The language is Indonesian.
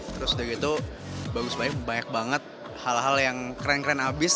terus dari itu bagus banget banyak banget hal hal yang keren keren abis